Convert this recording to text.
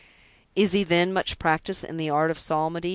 "Is he, then, much practiced in the art of psalmody?"